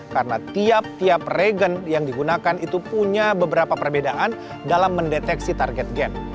karena tiap tiap regen yang digunakan itu punya beberapa perbedaan dalam mendeteksi target gen